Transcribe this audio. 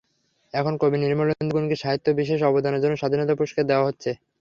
এখন কবি নির্মলেন্দু গুণকে সাহিত্যে বিশেষ অবদানের জন্য স্বাধীনতা পুরস্কার দেওয়া হচ্ছে।